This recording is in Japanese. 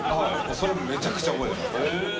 それ、めちゃくちゃ覚えてます。